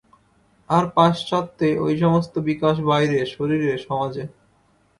আর পাশ্চাত্যে ঐ সমস্ত বিকাশ বাইরে, শরীরে, সমাজে।